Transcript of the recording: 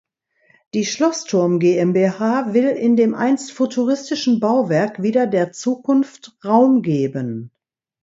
Die Schlossturm GmbH will in dem einst futuristischen Bauwerk wieder der Zukunft Raum geben.